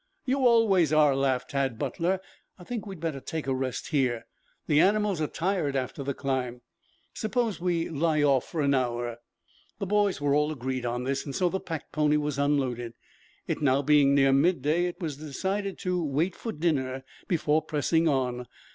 "You always are," laughed Tad Butler. "I think we had better take a rest here. The animals are tired after the climb. Suppose we lie off for an hour?" The boys were all agreed on this, so the pack pony was unloaded. It now being near midday it was decided to wait for dinner before pressing on.